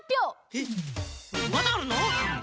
えっまだあるの？